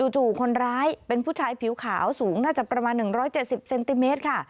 จู่คนร้ายเป็นผู้ชายผิวขาวสูงน่าจะประมาณ๑๗๐เซนติเมตรค่ะ